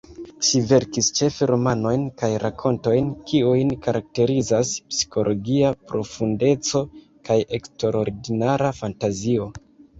Ŝi verkis ĉefe romanojn kaj rakontojn, kiujn karakterizas psikologia profundeco kaj eksterordinara fantazio.